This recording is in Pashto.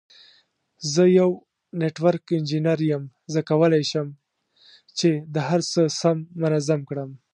زه یو نټورک انجینیر یم، زه کولای شم چې دا هر څه سم منظم کړم.